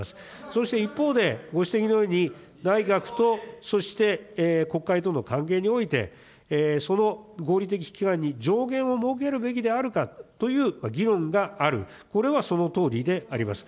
そうして一方で、ご指摘のように内閣と、そして国会との関係において、その合理的期間に上限を設けるべきであるかという議論がある、これはそのとおりであります。